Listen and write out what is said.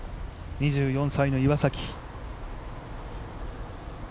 ２４歳の岩崎。